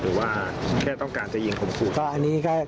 หรือว่าแค่ต้องการจะยิงขมขู่